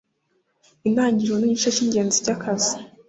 intangiriro nigice cyingenzi cyakazi.